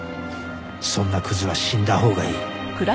そんなクズは死んだほうがいい